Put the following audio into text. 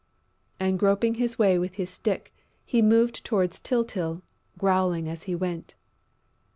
And groping his way with his stick, he moved towards Tyltyl, growling as he went.